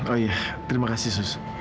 oh iya terima kasih sus